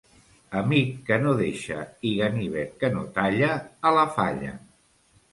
Amic que no deixa i ganivet que no talla... a la falla.